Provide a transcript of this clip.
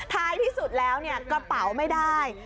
ท้ายที่สุดแล้วกระเป๋าไม่ได้